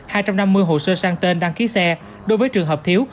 hai trăm năm mươi hồ sơ sang tên đăng ký xe đối với trường hợp thiếu